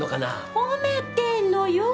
褒めてんのよー